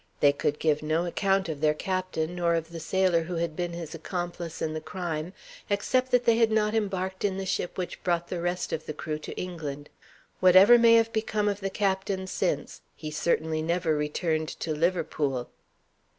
They could give no account of their captain, nor of the sailor who had been his accomplice in the crime, except that they had not embarked in the ship which brought the rest of the crew to England. Whatever may have become of the captain since, he certainly never returned to Liverpool."